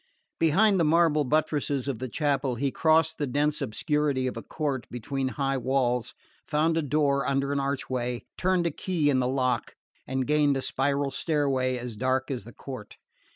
Behind the marble buttresses of the chapel, he crossed the dense obscurity of a court between high walls, found a door under an archway, turned a key in the lock, and gained a spiral stairway as dark as the court.